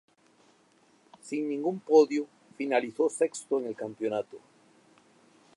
Sin ningún podio, finalizó sexto en el campeonato.